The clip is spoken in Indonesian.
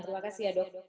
terima kasih ya dok